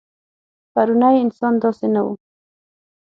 پروني انسان داسې نه و.